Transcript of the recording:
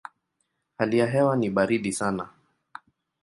Hali ya hewa ni baridi sana.